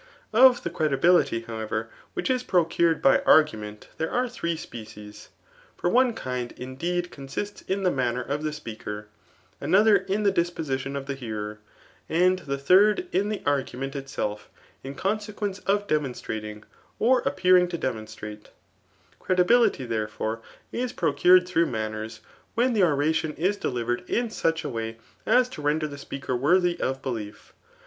Of the credibility, however, \tfhich is procured by argument there are three species. For one kind indeed consists in the manners of the speaker ; another in the dspooition of the hearer ; and the third in cbe argmrient its^i in consequence of demon6trating,> or appearing to demonstrate* Credibility, therefore^ is procured throogh iftaittierS} when the oration is delivered in sqch a way, as t^ render the speaker worthy of belief.